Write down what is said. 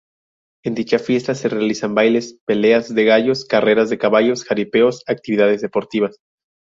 En dicha fiesta se realizan bailes, peleas de gallos, carreras de caballos, jaripeos, actividades deportivas.